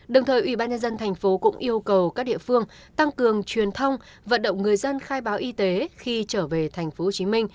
đồng thời ubnd tp hcm cũng yêu cầu các địa phương tăng cường truyền thông vận động người dân khai báo y tế khi trở về tp hcm